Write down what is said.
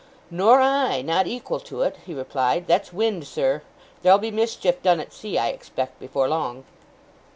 'Nor I not equal to it,' he replied. 'That's wind, sir. There'll be mischief done at sea, I expect, before long.